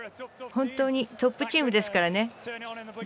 本当にトップチームですからね。